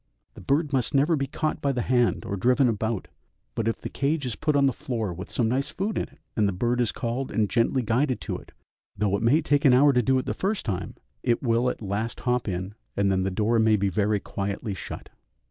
The bird must never be caught by the hand or driven about, but if the cage is put on the floor with some nice food in it, and the bird is called and gently guided to it, though it may take an hour to do it the first time, it will at last hop in, and then the door may be very quietly shut.